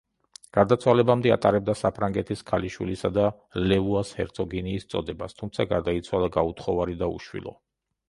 გარდაცვალებამდე ატარებდა საფრანგეთის ქალიშვილისა და ლუვუას ჰერცოგინიის წოდებას, თუმცა გარდაიცვალა გაუთხოვარი და უშვილო.